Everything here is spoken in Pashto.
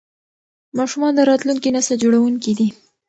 ماشومان د راتلونکي نسل جوړونکي دي.